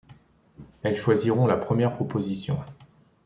Elles choisiront la première proposition.